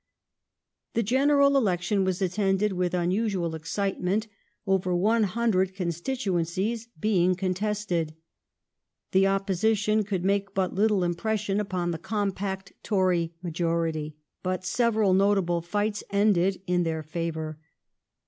The General Election was attended with unusual excitement, General over one hundred constituencies being contested. The Opposition ^/ igjo" could make but little impression upon the compact Tory majority, but several notable fights ended in their favour.